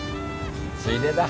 ついでだ！